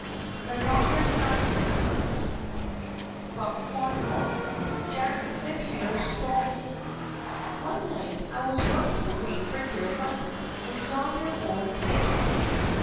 THE KNOCKERS' DIAMONDS From Cornwall JACK THE TINNER'S STORY One night I was working away for dear life, in yonder old tin mine.